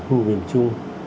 khu miền trung